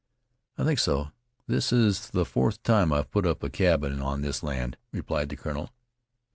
"I think so; this is the fourth time I've put up a' cabin on this land," replied the colonel.